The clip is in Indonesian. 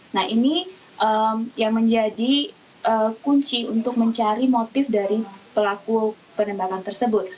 nah ini yang menjadi kunci untuk mencari motif dari pelaku penembakan tersebut